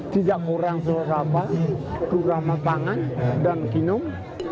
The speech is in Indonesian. tidak kurang selera kapal turah matangan dan ginung